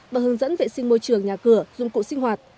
và hướng dẫn vệ sinh môi trường nhà cửa dụng cụ sinh hoạt